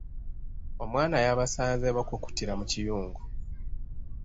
Omwana yabasanze bakukutira mu kiyungu.